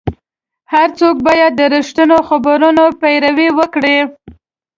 هر څوک باید د رښتینو خبرونو پیروي وکړي.